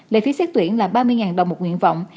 lệ phí xét tuyển là ba mươi đồng một nguyện vọng